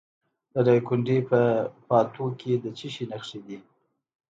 د دایکنډي په پاتو کې د څه شي نښې دي؟